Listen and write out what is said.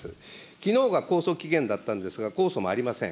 きのうが控訴期限だったんですが、控訴もありません。